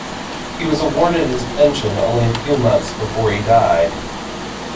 He was awarded his pension only a few months before he died.